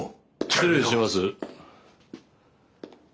失礼します。